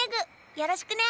よろしくね！